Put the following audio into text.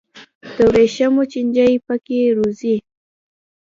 د ورېښمو چینجي پکې روزي.